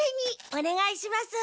おねがいします。